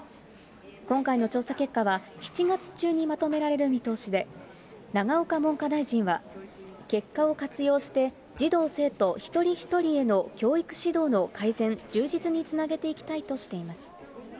今回の調査結果は、７月中にまとめられる見通しで、永岡文科大臣は、結果を活用して、児童・生徒一人一人への教育指導の改善、充実につなげていきたいとしています。